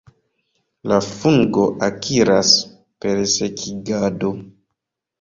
La fungo akiras, per sekigado.